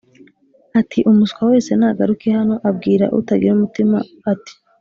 ati “umuswa wese nagaruke hano” abwira utagira umutima ati